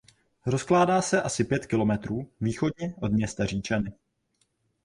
Rozkládá se asi pět kilometrů východně od města Říčany.